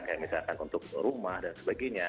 kayak misalkan untuk rumah dan sebagainya